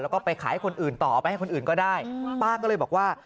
แล้วก็ไปขายให้คนอื่นต่อไปให้คนอื่นก็ได้ป้าก็เลยบอกว่า